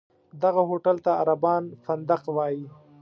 دغه هوټل ته عربان فندق وایي.